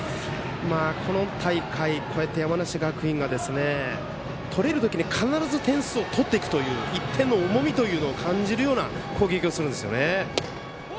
今大会、山梨学院が取れるときに必ず点数を取っていくという１点の重みというのを感じるような攻撃をするんですよね。